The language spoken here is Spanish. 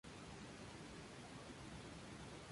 Su hábitat natural es el dosel de la selva tropical.